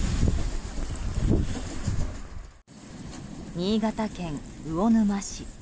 新潟県魚沼市。